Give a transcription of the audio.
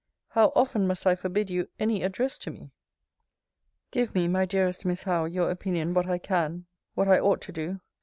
How often must I forbid you any address to me! Give me, my dearest Miss Howe, your opinion, what I can, what I ought to do.